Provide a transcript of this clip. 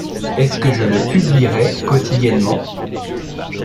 Est-ce que je le publierai quotidiennement ?